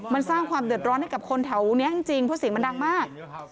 มันสร้างความเดือดร้อนให้กับคนแถวนี้จริงเพราะเสียงมันดังมาก